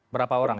berapa orang ya